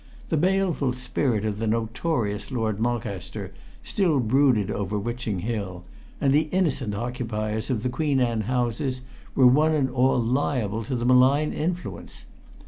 The baleful spirit of the notorious Lord Mulcaster still brooded over Witching Hill, and the innocent occupiers of the Queen Anne houses were one and all liable to the malign influence.